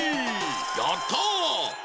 やった！